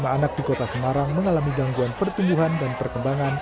satu empat ratus enam puluh lima anak di kota semarang mengalami gangguan pertumbuhan dan perkembangan